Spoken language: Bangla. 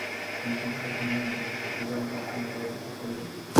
এই সংশয় বিনয়ের হৃদয়ে হৃৎকম্প উপস্থিত করিল।